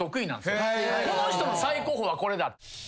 この人の最高峰はこれだ。